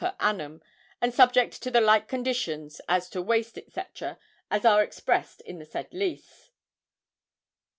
per annum, and subject to the like conditions as to waste, &c., as are expressed in the said lease.